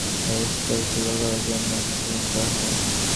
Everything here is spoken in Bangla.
এধরনের ভিন্ন রেঞ্জের ফিচারকে একই স্কেলে তুলনা করার জন্যই স্কেলিং করা হয়।